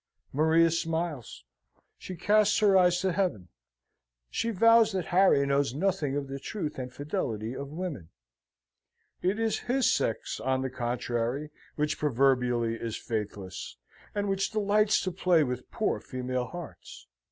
Maria smiles, she casts her eyes to heaven, she vows that Harry knows nothing of the truth and fidelity of women; it is his sex, on the contrary, which proverbially is faithless, and which delights to play with poor female hearts.